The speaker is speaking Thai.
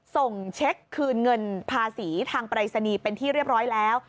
ส่งเช็คคืนเงินภาษีทางปรายศนีย์เป็นที่เรียบร้อยแล้ว